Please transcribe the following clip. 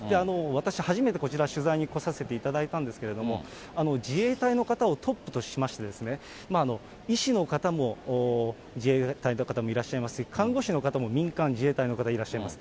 私、初めてこちら、取材に来させていただいたんですけれども、自衛隊の方をトップとしまして、医師の方も自衛隊の方もいらっしゃいますし、看護師の方も民間、自衛隊の方いらっしゃいます。